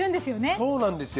そうなんですよ